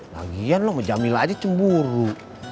lagian lo sama jamila aja cemburu